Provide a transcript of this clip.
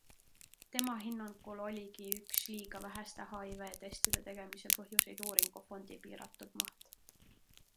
Tema hinnangul oligi üks liiga väheste HIV-testide tegemise põhjuseid uuringufondi piiratud maht.